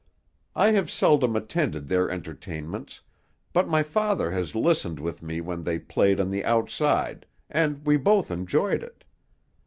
I have seldom attended their entertainments, but my father has listened with me when they played on the outside, and we both enjoyed it.